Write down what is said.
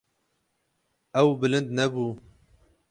Ew bilind nebû.